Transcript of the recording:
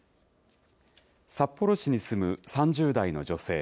札幌市に住む３０代の女性。